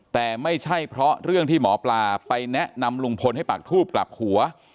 แต่ไม่ใช่เพราะเรื่องที่หมอปลาไปแนะนำลุงพลให้ปากทูบกลับหัว